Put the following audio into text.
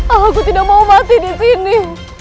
aku tidak mau mati di sini